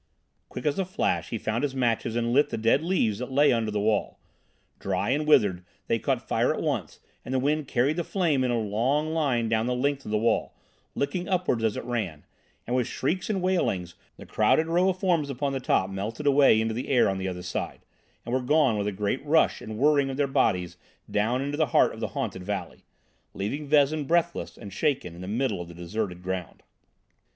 Quick as a flash he found his matches and lit the dead leaves that lay under the wall. Dry and withered, they caught fire at once, and the wind carried the flame in a long line down the length of the wall, licking upwards as it ran; and with shrieks and wailings, the crowded row of forms upon the top melted away into the air on the other side, and were gone with a great rush and whirring of their bodies down into the heart of the haunted valley, leaving Vezin breathless and shaken in the middle of the deserted ground.